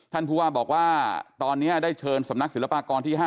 ท่านผู้ว่าบอกว่าตอนนี้ได้เชิญสำนักศิลปากรที่๕